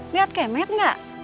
liat kemet gak